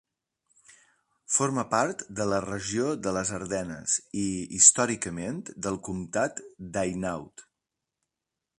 Forma part de la regió de les Ardenes i històricament del comtat d'Hainaut.